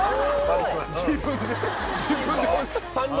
自分で。